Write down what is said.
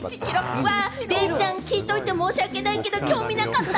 デイちゃん、聞いといて申し訳ないけれども興味なかった。